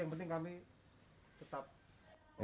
yang penting kami tetap